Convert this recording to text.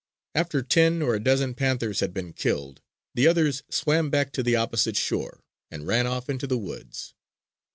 After ten or a dozen panthers had been killed, the others swam back to the opposite shore and ran off into the woods.